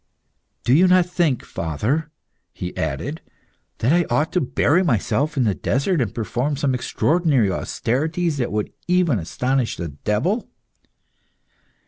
"Do you not think, father," he added, "that I ought to bury myself in the desert, and perform some extraordinary austerities that would even astonish the devil?"